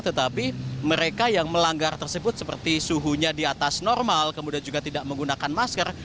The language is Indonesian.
tetapi mereka yang melanggar tersebut seperti suhunya di atas normal kemudian juga tidak menggunakan masker